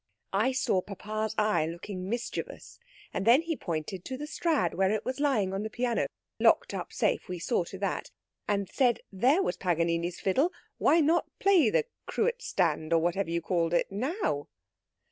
"I saw papa's eye looking mischievous, and then he pointed to the Strad, where it was lying on the piano locked up safe; we saw to that and said there was Paganini's fiddle, why not play the Cruet stand, or whatever you called it, now?